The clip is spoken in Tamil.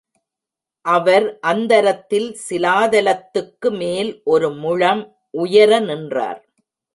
அவர் அந்தரத்தில் சிலாதலத்துக்கு மேல் ஒரு முழம் உயர நின்றார்.